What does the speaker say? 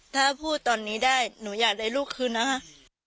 ถ้าพูดตอนนี้ได้หนูอยากได้ลูกคืนนะคะ